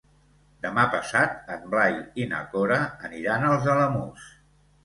Demà passat en Blai i na Cora aniran als Alamús.